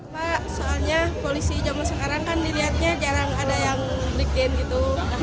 pak soalnya polisi zaman sekarang kan dilihatnya jarang ada yang bikin gitu